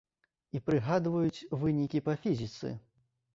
І прыгадваюць вынікі па фізіцы.